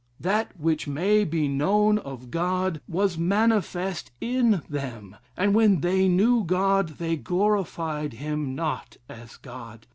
That which may be known of God was manifest in them, and when they knew God, they glorified him not as God.